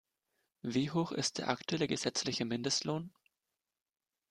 Wie hoch ist der aktuelle gesetzliche Mindestlohn?